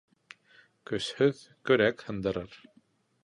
Көсһөҙ көрәк һындырыр.